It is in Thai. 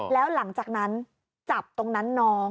แล้วหลังจากนั้นจับตรงนั้นน้อง